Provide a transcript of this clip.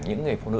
những người phụ nữ